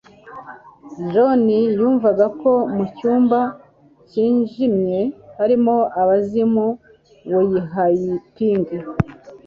john yumvaga ko mucyumba cyijimye harimo abazimu weihaiping